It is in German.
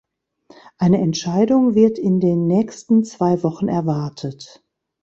Eine Entscheidung wird in den nächsten zwei Wochen erwartet.